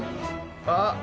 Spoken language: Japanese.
あっ。